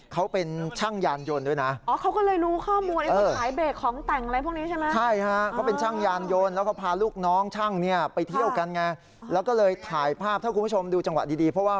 เขาเป็นช่างยานยนต์ด้วยนะ